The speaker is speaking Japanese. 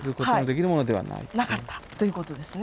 なかったということですね。